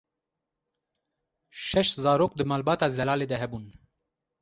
Şeş zarok di malbata Zelalê de hebûn.